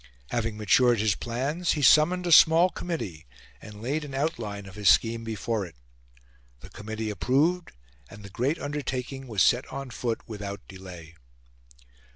Having matured his plans, he summoned a small committee and laid an outline of his scheme before it. The committee approved, and the great undertaking was set on foot without delay.